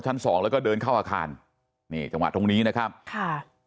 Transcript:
สองแล้วก็เดินเข้าอาคารนี่จังหวะตรงนี้นะครับค่ะ